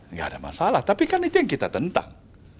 nggak ada masalah tapi kan itu yang kita tentang